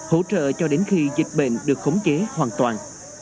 hỗ trợ cho đến khi dịch bệnh được khống chế hoàn toàn